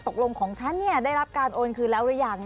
ตกลงของฉันได้รับการโอนคืนแล้วหรือยัง